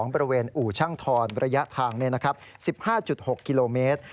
บริเวณอู่ช่างทรระยะทาง๑๕๖กิโลเมตร